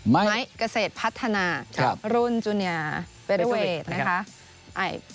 ไมค์เกษตรพัฒนารุ่นจูเนียร์เบเตอร์เวทนะครับ